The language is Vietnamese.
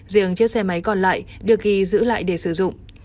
riêng chiếc xe máy còn lại được ghi giữ lại để sử dụng